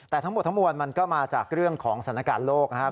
แต่ทั้งหมดทั้งมวลมันก็มาจากเรื่องของสถานการณ์โลกนะครับ